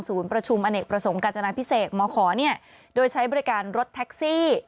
ประชุมอเนกประสงค์การจนาพิเศษมขเนี่ยโดยใช้บริการรถแท็กซี่